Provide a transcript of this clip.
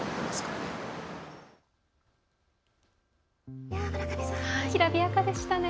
村上さんきらびやかでしたね。